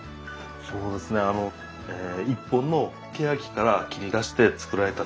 そうですねあの一本のけやきから切り出して作られた手すりなんです。